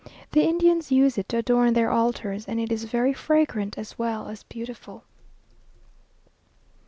The Indians use it to adorn their altars, and it is very fragrant as well as beautiful.